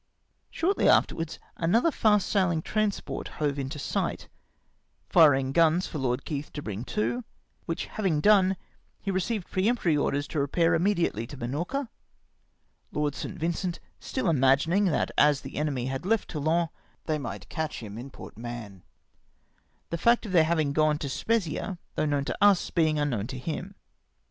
Shortly afterwards another fast saihng transport hove in sight, firing guns for Lord Keith to brmg to, which having done, he received peremptory orders to repair immediately to llinorca ; Lord St. Vincent still imagin ing that as the enemy had left Toulon they might catch liim in Port Mahon ; the fact of their having gone to Spezzia, though known to us, bemg unknown to him.